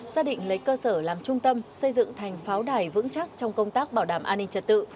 xác định lấy cơ sở làm trung tâm xây dựng thành pháo đài vững chắc trong công tác bảo đảm an ninh trật tự